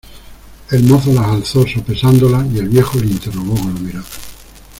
el mozo las alzó sopesándolas, y el viejo le interrogó con la mirada: